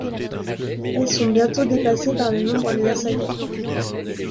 Elles sont bientôt dépassées par le nombre des assaillants.